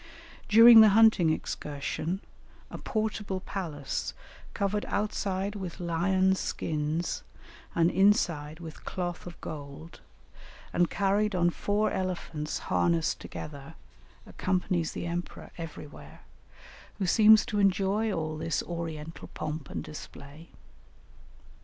During the hunting excursion, a portable palace, covered outside with lions' skins and inside with cloth of gold, and carried on four elephants harnessed together, accompanies the emperor everywhere, who seems to enjoy all this oriental pomp and display.